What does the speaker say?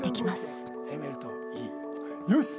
よし。